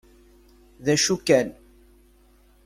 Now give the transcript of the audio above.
D acu kan.